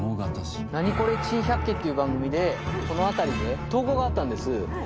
『ナニコレ珍百景』っていう番組でこの辺りで投稿があったんです。